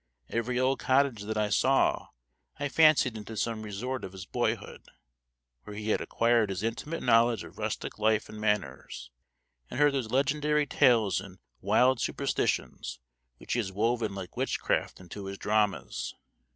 Every old cottage that I saw I fancied into some resort of his boyhood, where he had acquired his intimate knowledge of rustic life and manners, and heard those legendary tales and wild superstitions which he has woven like witchcraft into his dramas.